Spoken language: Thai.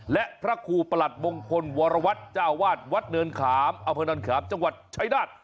และพระครูประหลัดมงคลวรวัตรเจ้าวาดวัดเนินขามอำเภอนอนขามจังหวัดชายนาฏ